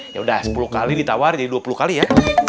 yaudah sepuluh kali ditawar jadi dua puluh kali ya